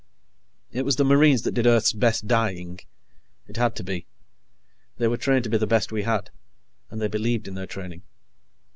It was the Marines that did Earth's best dying. It had to be. They were trained to be the best we had, and they believed in their training.